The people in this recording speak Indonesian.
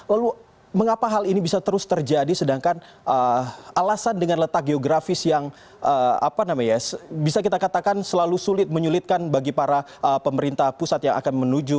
lalu mengapa hal ini bisa terus terjadi sedangkan alasan dengan letak geografis yang bisa kita katakan selalu sulit menyulitkan bagi para pemerintah pusat yang akan menuju